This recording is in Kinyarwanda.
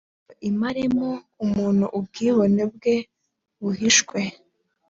ngo imaremo umuntu ubwibone bwe buhishwe